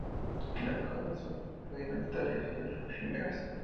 Las hojas de son rudimentarios y efímeras.